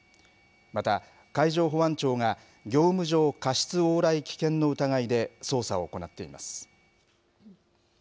また、海上保安庁が業務上過失往来危険の疑いで捜査を行っています。